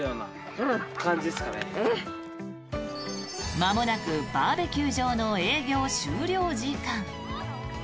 まもなくバーベキュー場の営業終了時間。